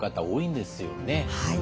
はい。